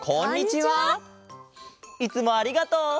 いつもありがとう。